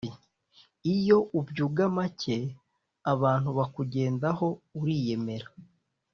Iyo uvyuga make abantu bakugendaho uri yemera